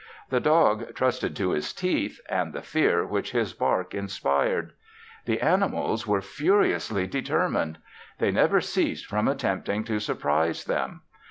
The dog trusted to his teeth and the fear which his bark inspired. The animals were furiously determined; they never ceased from attempting to surprise them.